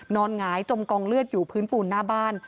หงายจมกองเลือดอยู่พื้นปูนหน้าบ้าน